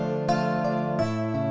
gak ada yang peduli